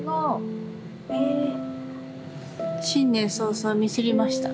新年早々ミスりました。